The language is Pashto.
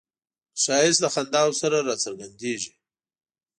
ښایست د خنداوو سره راڅرګندیږي